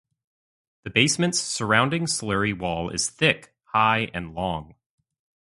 The basement's surrounding slurry wall is thick, high and long.